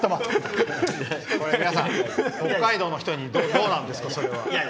皆さん、北海道の人にどうなんですか？